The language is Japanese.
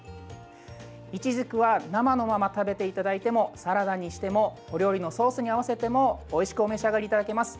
いちじくは生のまま食べていただいてもサラダにしてもお料理のソースに合わせてもおいしくお召し上がりいただけます。